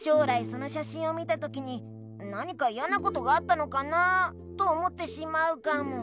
そのしゃしんを見た時に何かいやなことがあったのかなと思ってしまうかも。